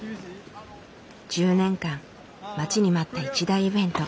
１０年間待ちに待った一大イベント。